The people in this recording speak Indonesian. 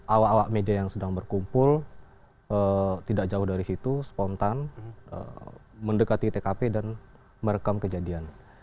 awak awak media yang sedang berkumpul tidak jauh dari situ spontan mendekati tkp dan merekam kejadian